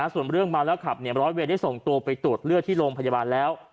ส่วนเรื่องเมาแล้วขับร้อยเวรได้ส่งตัวไปตรวจเลือดที่โรงพยาบาลแล้ว